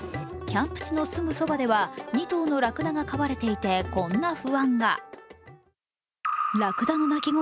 キャンプ地のすぐそばでは２頭のラクダが飼われていて、こんな不安が。